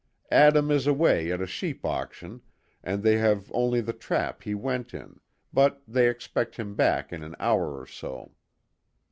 Adam is away at a sheep auction, and they have only the trap he went in, but they expect him back in an hour or so."